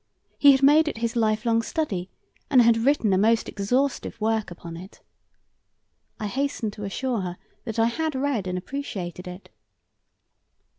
He had made it his lifelong study, and had written a most exhaustive work upon it. I hastened to assure her that I had read and appreciated it.